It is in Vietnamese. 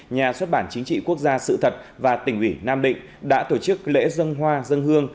nhà xuất bản chính trị quốc gia sự thật và tỉnh ủy nam định đã tổ chức lễ dân hoa dân hương